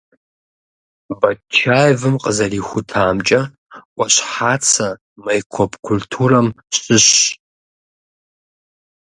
Батчаевым къызэрихутамкӀэ, Ӏуащхьацэ майкоп культурэм щыщщ.